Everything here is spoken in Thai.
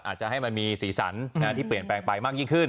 อาจจะให้มันมีสีสันที่เปลี่ยนแปลงไปมากยิ่งขึ้น